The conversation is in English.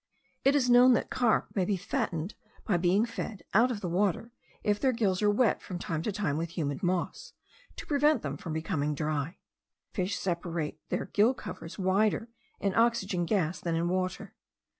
It is known that carp may be fattened by being fed, out of the water, if their gills are wet from time to time with humid moss, to prevent them from becoming dry. Fish separate their gill covers wider in oxygen gas than in water.